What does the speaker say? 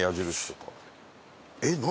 えっ何？